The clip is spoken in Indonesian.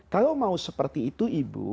kalau mau seperti itu ibu